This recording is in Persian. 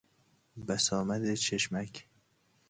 بسامد چشمک